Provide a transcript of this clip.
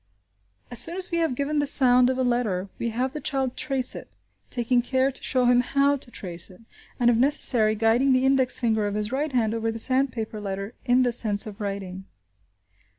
As soon as we have given the sound of a letter, we have the child trace it, taking care to show him how to trace it, and if necessary guiding the index finger of his right hand over the sandpaper letter in the sense of writing.